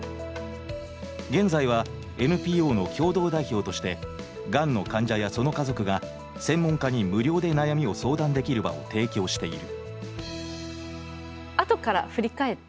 現在はＮＰＯの共同代表としてがんの患者やその家族が専門家に無料で悩みを相談できる場を提供している。